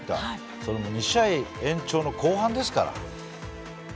それも２試合延長の後半ですから。